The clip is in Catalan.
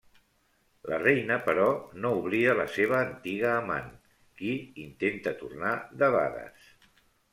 La reina, però, no oblida la seva antiga amant, qui intenta tornar debades.